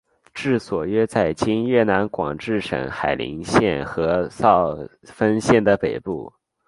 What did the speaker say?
治所约在今越南广治省海陵县和肇丰县的北部。